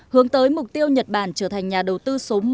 hướng tới mục tiêu nhật bản trở thành nhà đầu tư